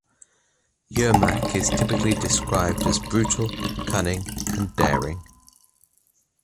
Yermak is typically described as brutal, cunning, and daring.